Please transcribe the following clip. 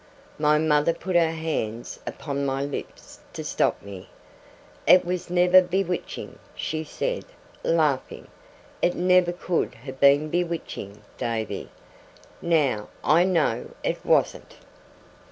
My mother put her hands upon my lips to stop me. 'It was never bewitching,' she said, laughing. 'It never could have been bewitching, Davy. Now I know it wasn't!